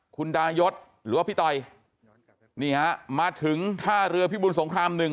คุณดายศหรือว่าพี่ต่อยนี่ฮะมาถึงท่าเรือพิบุญสงครามหนึ่ง